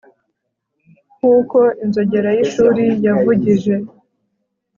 nkuko inzogera y'ishuri yavugije